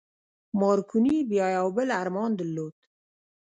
مارکوني بيا يو بل ارمان درلود.